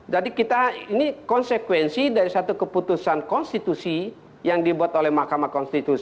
jadi kita ini konsekuensi dari satu keputusan konstitusi yang dibuat oleh mk